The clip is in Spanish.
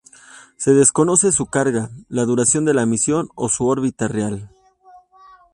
Se desconoce su carga, la duración de la misión o su órbita real.